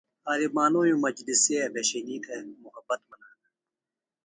عالمانومی مجلسی بھشئینی تھےۡ محبت منانہ۔